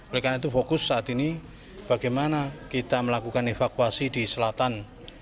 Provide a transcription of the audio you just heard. oleh karena itu fokus saat ini bagaimana kita melakukan evakuasi di selatan